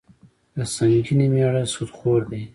د سنګینې میړه سودخور دي.